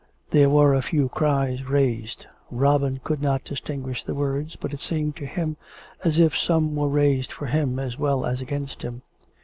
There were a few cries raised. Robin could not distinguish the words, but it seemed to him as if some were raised for him as well as against him.